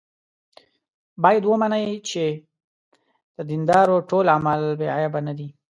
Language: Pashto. باید ومني چې د دیندارو ټول اعمال بې عیبه نه دي.